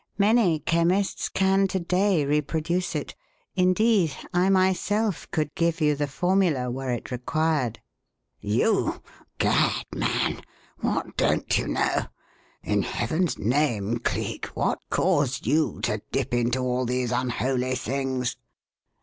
Many chemists can, to day, reproduce it. Indeed, I, myself, could give you the formula were it required." "You? Gad, man! what don't you know? In heaven's name, Cleek, what caused you to dip into all these unholy things?"